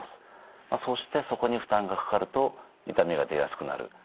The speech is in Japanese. そしてそこに負担がかかると痛みが出やすくなる。